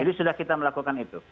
jadi sudah kita melakukan itu